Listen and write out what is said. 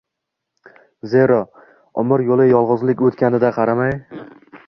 Zero, umr yo‘li yolg‘izlikda o‘tganiga qaramay